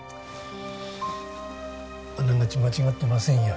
あながち間違ってませんよ